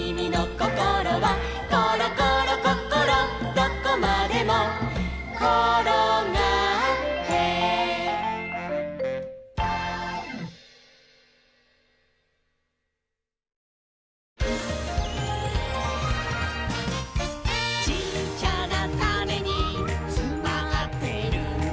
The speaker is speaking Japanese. どこまでもころがって」「ちっちゃなタネにつまってるんだ」